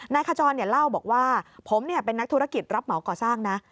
ขจรเล่าบอกว่าผมเป็นนักธุรกิจรับเหมาก่อสร้างนะ